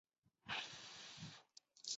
格罗沙语是一种基于语义的国际辅助语。